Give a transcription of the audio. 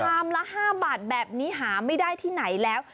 ละ๕บาทแบบนี้หาไม่ได้ที่ไหนแล้ว